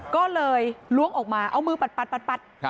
ก็เลยล้วงออกมาเอามือปัด